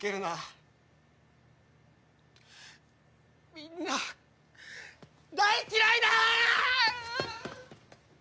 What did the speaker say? みんな大嫌いだ！